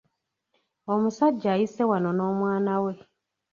Omusajja ayise wano n'omwana we.